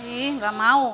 ih gak mau